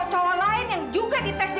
cowok lain yang juga dites dna